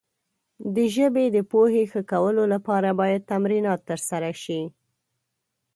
د ژبې د پوهې ښه کولو لپاره باید تمرینات ترسره شي.